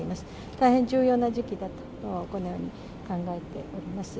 大変重要な時期だと、このように考えております。